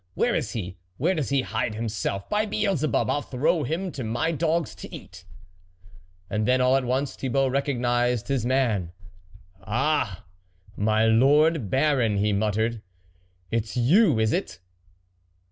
Where is he ? Where does he hide him self? By Beelzebub ! I'll throw him to my dogs to eat !" And then, all at once, Thibault recog nised his man. " Ah ! my lord Baron," he muttered, " it's you, is it